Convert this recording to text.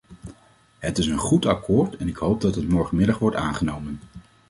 Het is een goed akkoord en ik hoop dat het morgenmiddag wordt aangenomen.